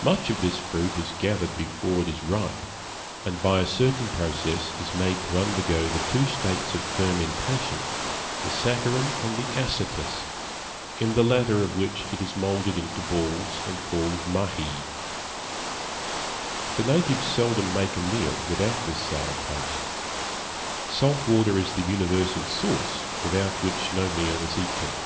Much of this fruit is gathered before it is ripe, and by a certain process is made to undergo the two states of fermentation, the saccharine and acetous, in the latter of which it is moulded into balls, and called Mahie. The natives seldom make a meal without this sour paste. Salt water is the universal sauce, without which no meal is eaten.